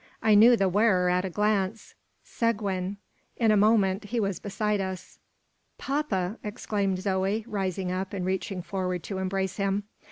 I knew the wearer at a glance: Seguin! In a moment, he was beside us. "Papa!" exclaimed Zoe, rising up and reaching forward to embrace him.